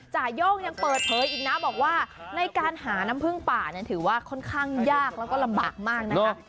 จ่าย่งยังเปิดเผยอีกนะบอกว่าในการหาน้ำพึ่งป่าเนี่ยถือว่าค่อนข้างยากแล้วก็ลำบากมากนะคะ